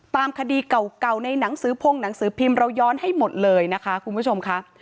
ตามคดีเก่าในหนังสือพงหนังสือพิมพ์เราย้อนให้หมดเลยนะคะคุณผู้ชมค่ะ